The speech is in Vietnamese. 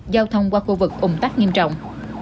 giao thông qua khu vực ủng tắc nghiêm trọng